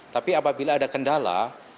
tapi apabila ada kendala